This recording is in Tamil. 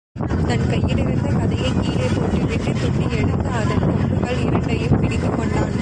தன் கையிலிருந்த கதையைக் கீழே போட்டு விட்டுத் துள்ளி எழுந்து, அதன் கொம்புகள் இரண்டையும் பிடித்துக்கொண்டான்.